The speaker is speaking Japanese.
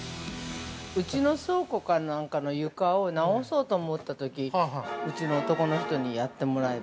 ◆うちの倉庫か何かの床を直そうと思ったときうちの男の人にやってもらえば。